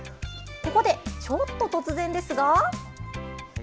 ここでちょっと突然ですが。